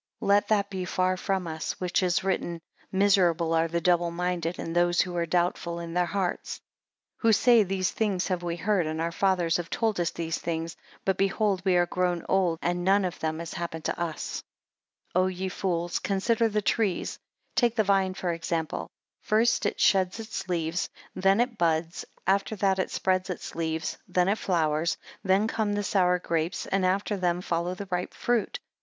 11 Let that be far from us which is written, Miserable are the double minded, and those who are doubtful in their hearts; 12 Who say these things have we heard, and our fathers have told us these things. But behold we are grown old, and none of them has happened unto us. 13 O ye fools consider the trees: take the vine for an example. First it sheds its leaves; then it buds; after that it spreads its leaves; then it flowers; then come the sour grapes; and after them follows the ripe fruit.